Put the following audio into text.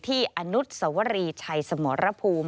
อนุสวรีชัยสมรภูมิ